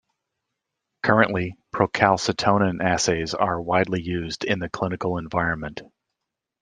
Currently, procalcitonin assays are widely used in the clinical environment.